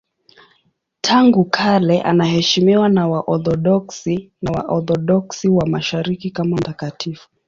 Tangu kale anaheshimiwa na Waorthodoksi na Waorthodoksi wa Mashariki kama mtakatifu.